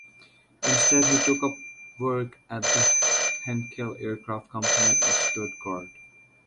Instead he took up work at the Heinkel Aircraft Company in Stuttgart.